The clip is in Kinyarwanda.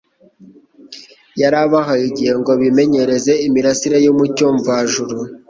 yari abahaye igihe ngo bimenyereze imirasire y'umucyo mvajuru